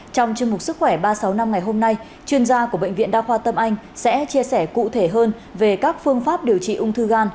trong chương mục sức khỏe ba trăm sáu mươi năm ngày hôm nay chuyên gia của bệnh viện đa khoa tâm anh sẽ chia sẻ cụ thể hơn về các phương pháp điều trị ung thư gan